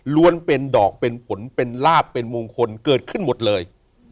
เป็นดอกเป็นผลเป็นลาบเป็นมงคลเกิดขึ้นหมดเลย